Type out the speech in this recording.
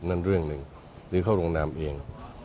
นั่นเรื่องหนึ่งหรือเขาลงนามเอง